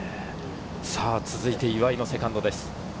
続いて岩井のセカンドです。